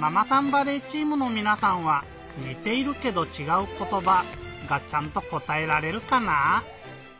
バレーチームのみなさんは「にているけどちがうことば」がちゃんとこたえられるかな？